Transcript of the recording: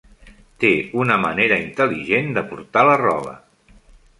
Té una manera intel·ligent de portar la roba.